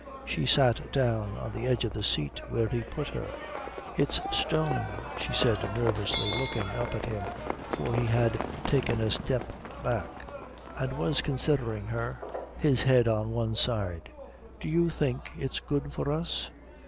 She sat down on the edge of the seat where he put her. "It's stone," she said nervously, looking up at him, for he had taken a step back and was considering her, his head on one side. "Do you think it's good for us?"